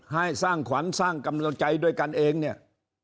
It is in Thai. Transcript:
ให้สร้างขวัญสร้างกำลังใจด้วยกันเองเนี่ย